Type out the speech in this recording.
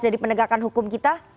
dari penegakan hukum kita